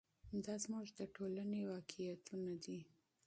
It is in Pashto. دا زموږ د ټولنې واقعیتونه دي.